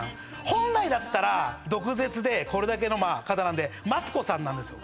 本来だったら毒舌でこれだけの方なんでマツコさんなんですよ